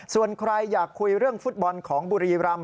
ส่วนใครอยากคุยเรื่องฟุตบอลของบุรีรำ